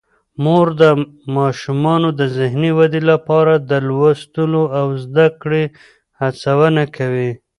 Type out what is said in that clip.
مور د ماشومانو د ذهني ودې لپاره د لوستلو او زده کړې هڅونه کوي.